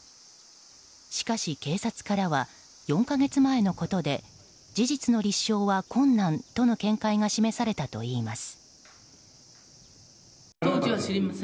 しかし警察からは４か月前のことで事実の立証は困難との見解が示されたといいます。